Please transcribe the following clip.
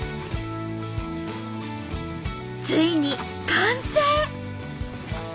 ついに完成！